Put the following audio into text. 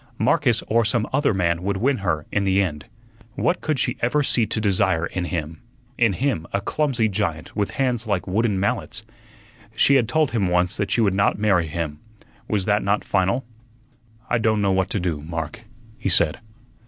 Marcus or some other man would win her in the end. What could she ever see to desire in him in him, a clumsy giant, with hands like wooden mallets? She had told him once that she would not marry him. Was that not final? "I don' know what to do, Mark," he said.